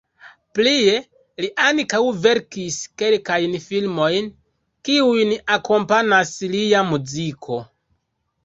Plie li ankaŭ verkis kelkajn filmojn kiujn akompanas lia muziko.